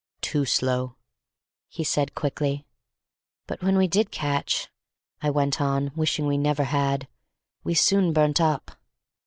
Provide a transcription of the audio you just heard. "Too slow," he said quickly. "But when we did catch," I went on, wishing we never had, "we soon burnt up."